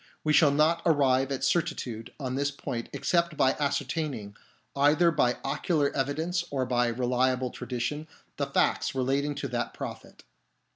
We shall not arrive at certitude on this point except by ascertaining, either by ocular evidence or by reliable tradition, the facts relating to that prophet.